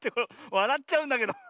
わらっちゃうんだけど。